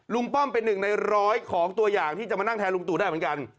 รุงป้อมเป็น๑ใน๑๐๐ของตัวอย่างที่จะมานั่งแทนรุงตู่ได้เหมือนกัน